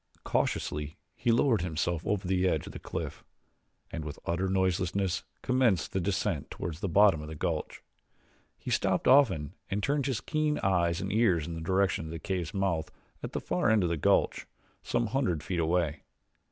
Cautiously he lowered himself over the edge of the cliff, and with utter noiselessness commenced the descent toward the bottom of the gulch. He stopped often and turned his keen eyes and ears in the direction of the cave's mouth at the far end of the gulch, some hundred feet away.